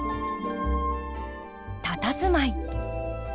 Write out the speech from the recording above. たたずまい。